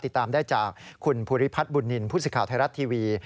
ติดตามได้จากคุณภูริพัฒน์บุญนินทร์ผู้สิทธิ์ไทยรัฐทีวี